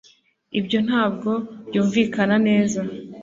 ibyo ntabwo byumvikana neza